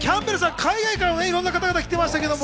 海外からもいろんな方々来てましたけど。